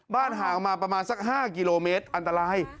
ห่างมาประมาณสัก๕กิโลเมตรอันตราย